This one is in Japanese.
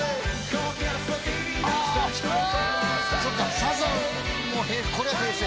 そっかサザンもこれは平成。